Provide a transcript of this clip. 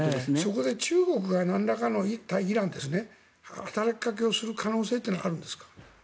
そこで中国がなんらかの対イランの働きかけをする可能性はあるんですか？